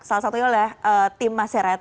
salah satunya oleh tim maserati ya kan